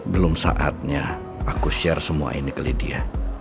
belum saatnya aku share semua ini ke lidya